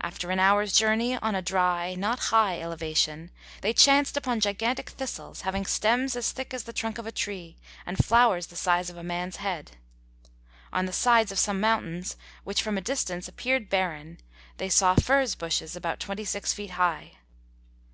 After an hour's journey, on a dry, not high elevation, they chanced upon gigantic thistles having stems as thick as the trunk of a tree and flowers the size of a man's head. On the sides of some mountains which from a distance appeared barren they saw furze bushes about twenty six feet high.